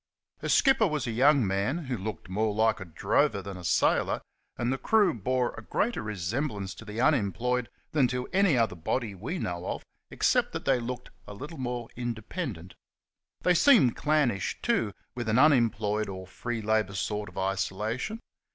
Her skipper was a young man, who looked more like a drover than a sailor, and the crew bore a greater resemblance to the unemployed than to any other body we know of, except that they looked a little more independent. They seemed clannish, too, with an unemployed or free labour sort of isolation.